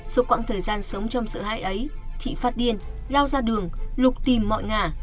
suốt quãng thời gian sống trong sự hãi ấy tri phát điên lao ra đường lục tìm mọi ngà